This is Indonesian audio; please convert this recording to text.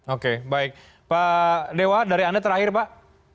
oke baik pak dewa dari anda terakhir pak